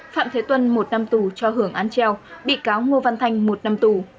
phạm thế tuân một năm tù cho hưởng án treo bị cáo ngô văn thanh một năm tù